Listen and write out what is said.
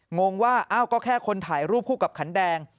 งงว่าอ้าวก็แค่คนถ่ายรูปคู่กับขันแดง